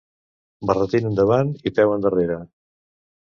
Barretina endavant i peu endarrere.